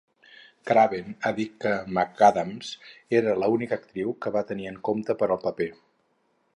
Craven ha dit que McAdams era la única actriu que va tenir en compte per al paper.